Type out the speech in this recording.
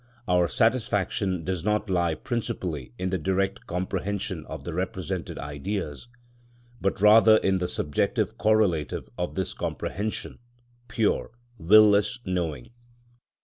_, our satisfaction does not lie principally in the direct comprehension of the represented Ideas, but rather in the subjective correlative of this comprehension, pure, will less knowing.